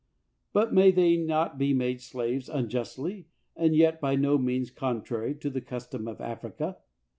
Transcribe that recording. But may they not be made slaves unjustly, and yet by no means contrary to the custom of Africa?